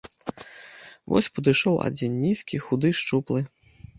Вось падышоў адзін нізкі, худы, шчуплы.